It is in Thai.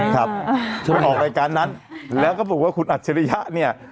ครับจะไปออกรายการนั้นแล้วก็บอกว่าคุณอัจฉริยะเนี่ย